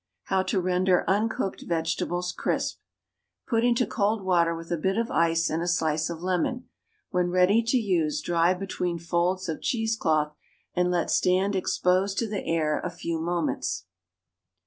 =How to Render Uncooked Vegetables Crisp.= Put into cold water with a bit of ice and a slice of lemon. When ready to use, dry between folds of cheese cloth and let stand exposed to the air a few moments.